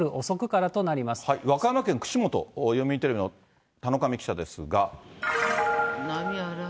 和歌山県串本、読売テレビの田上記者ですが。